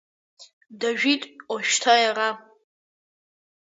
Дажәит ожәшьҭа иара.